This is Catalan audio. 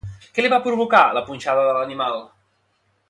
Què li va provocar la punxada de l'animal?